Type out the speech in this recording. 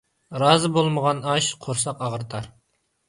رازى بولمىغان ئاش قۇرساق ئاغرىتار.